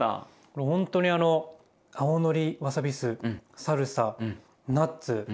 ほんとにあの青のりわさび酢サルサナッツ